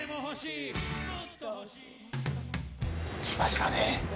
きましたね。